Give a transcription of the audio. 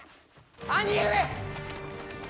兄上！